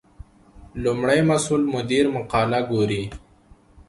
لومړی مسؤل مدیر مقاله ګوري.